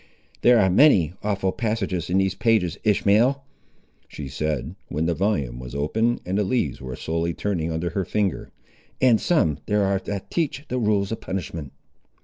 "There are many awful passages in these pages, Ishmael," she said, when the volume was opened, and the leaves were slowly turning under her finger, "and some there ar' that teach the rules of punishment."